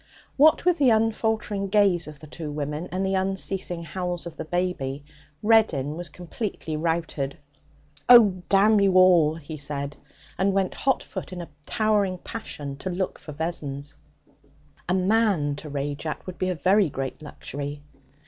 What with the unfaltering gaze of the two women, and the unceasing howls of the baby, Reddin was completely routed. 'Oh, damn you all!' he said, and went hot foot in a towering passion to look for Vessons. A man to rage at would be a very great luxury.